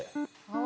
あ。